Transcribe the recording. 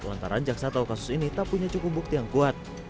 lantaran jaksa tahu kasus ini tak punya cukup bukti yang kuat